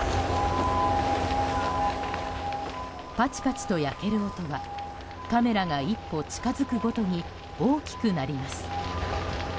パチパチと焼ける音はカメラが１歩近づくごとに大きくなります。